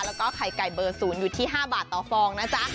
แล้วก็ไข่ไก่เบอร์๐อยู่ที่๕บาทต่อฟองนะจ๊ะ